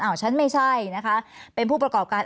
อ่ะจะไม่ใช่เป็นผู้ประกอบการ